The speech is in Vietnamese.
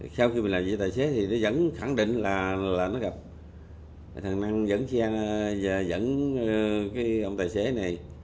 sau khi mình làm việc với tài xế thì nó vẫn khẳng định là nó gặp thằng năng dẫn xe dẫn ông tài xế này